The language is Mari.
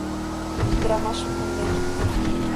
— Ӱдырамашым конден.